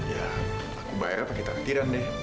ya aku bayar pakai takdiran deh